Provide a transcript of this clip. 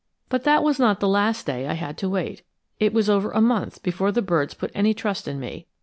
But that was not the last day I had to wait. It was over a month before the birds put any trust in me.